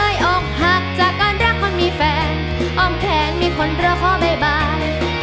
ในอกหักจากการรักคนมีแฟนอ้อมแผงมีคนรักเขาไม่บ้าง